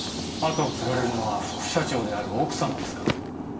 後を継がれるのは副社長である奥様ですか？